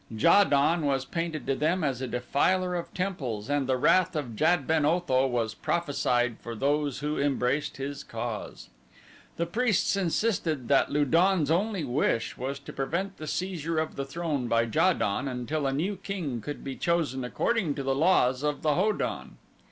Ja don was painted to them as a defiler of temples, and the wrath of Jad ben Otho was prophesied for those who embraced his cause. The priests insisted that Lu don's only wish was to prevent the seizure of the throne by Ja don until a new king could be chosen according to the laws of the Ho don.